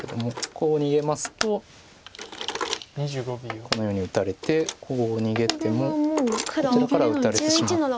こう逃げますとこのように打たれてこう逃げてもこちらから打たれてしまって。